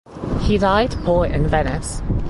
He died poor in Venice.